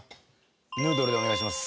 ヌードルでお願いします。